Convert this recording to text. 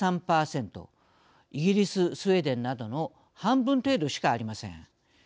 イギリス、スウェーデンなどの半分程度しかありません。